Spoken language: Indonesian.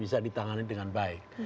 bisa ditangani dengan baik